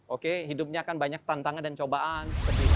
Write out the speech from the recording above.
oke hidupnya akan banyak tantangan dan cobaan